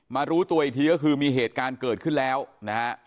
รู้ตัวอีกทีก็คือมีเหตุการณ์เกิดขึ้นแล้วนะฮะ